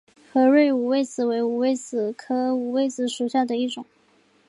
合蕊五味子为五味子科五味子属下的一个种。